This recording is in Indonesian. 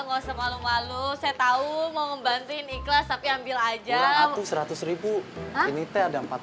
nggak usah malu malu saya tahu mau membantuin ikhlas tapi ambil aja seratus ribu ini teh ada empat